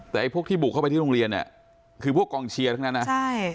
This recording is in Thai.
แต่ไอ้พวกที่บุกเข้าไปที่โรงเรียนเนี่ยคือพวกกองเชียร์ทั้งนั้นนะใช่